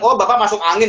oh bapak masuk angin